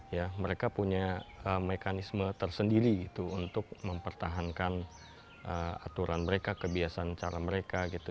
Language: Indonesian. ya mereka punya mekanisme tersendiri gitu untuk mempertahankan aturan mereka kebiasaan cara mereka gitu